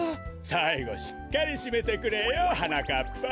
さいごしっかりしめてくれよはなかっぱ。